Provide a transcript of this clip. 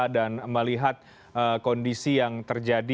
dan melihat kondisi yang terjadi